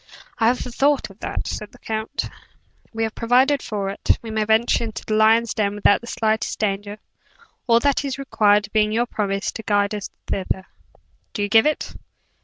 "I have thought of that," said the count, "and have provided for it. We may venture in the lion's den without the slightest danger: all that is required being your promise to guide us thither. Do you give it?"